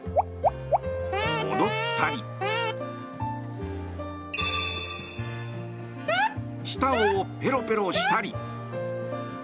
踊ったり舌をペロペロしたり。